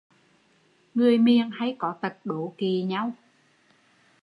Người miềng hay có tật đố kỵ nhau